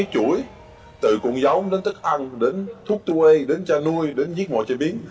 chuỗi từ cuộn giống đến thức ăn đến thuốc tuê đến cha nuôi đến giết mò chế biến